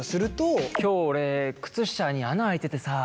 今日俺靴下に穴開いててさ。